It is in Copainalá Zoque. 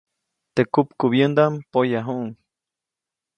Teʼ kupkubyändaʼm poyajuʼuŋ.